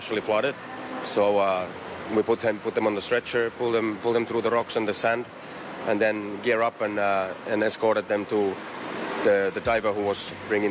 ที่ทำให้พวกนักดำน้ำมากขึ้น